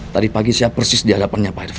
tadi pagi saya persis di hadapannya pak irf